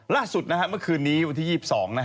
ล่าสุดเมื่อคืนนี้วันที่๒๒นะฮะ